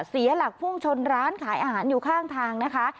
เสียหลักพุ่งชนร้านขายอาหารอยู่ข้างทางนะคะ